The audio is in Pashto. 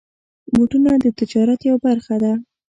بوټونه د تجارت یوه برخه ده.